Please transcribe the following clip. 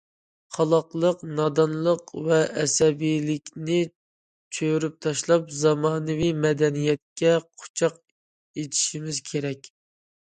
قالاقلىق، نادانلىق ۋە ئەسەبىيلىكنى چۆرۈپ تاشلاپ، زامانىۋى مەدەنىيەتكە قۇچاق ئېچىشىمىز كېرەك.